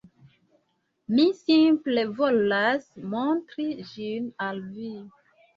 Mi simple volas montri ĝin al vi